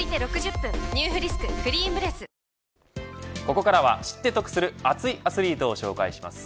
ここからは知って得する熱いアスリートを紹介します。